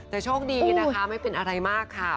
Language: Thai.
แต่โชคดีนะคะไม่เป็นอะไรมากค่ะ